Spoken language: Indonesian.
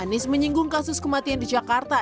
anies menyinggung kasus kematian di jakarta